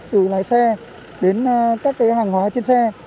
từ lái xe đến các hàng hóa trên xe